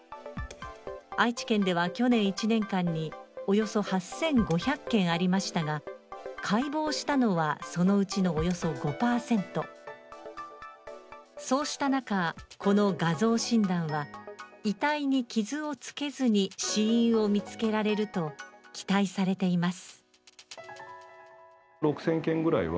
愛知県では去年１年間におよそ８５００件ありましたが、解剖したのはそのうちのおよそ５％そうした中、この画像診断は遺体に傷をつけずに死因を見つけられると期待されています。